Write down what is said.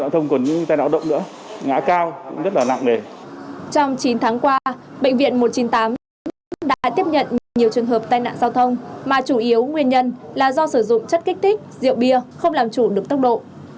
trong chín tháng qua bệnh viện một trăm chín mươi tám đã tiếp nhận được nhiều trường hợp tai nạn giao thông mà chủ yếu nguyên nhân là do sử dụng chất kích thích rượu bia không làm chủ được tốc độ